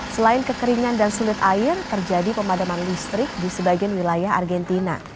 selain kekeringan dan sulit air terjadi pemadaman listrik di sebagian wilayah argentina